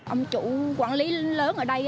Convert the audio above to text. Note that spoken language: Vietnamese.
ông chủ quản lý lớn ở đây